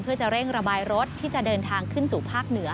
เพื่อจะเร่งระบายรถที่จะเดินทางขึ้นสู่ภาคเหนือ